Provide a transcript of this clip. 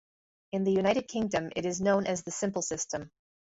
In the United Kingdom it is known as the simple system.